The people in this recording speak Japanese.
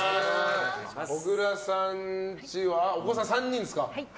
小倉さんちはお子さん３人ですか。